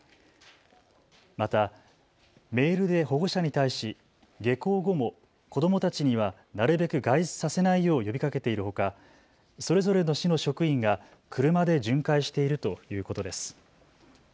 また、メールで保護者に対し下校後も子どもたちにはなるべく外出させないよう呼びかけているほか、それぞれの市の職員が車で巡回しているということです。